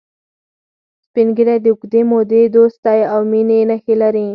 سپین ږیری د اوږدې مودې دوستی او مینې نښې لري